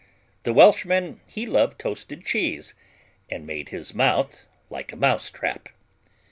The Welshman, he loved toasted cheese, And made his mouth like a mousetrap.